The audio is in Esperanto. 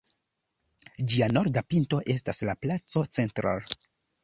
Ĝia norda pinto estas la placo "Central".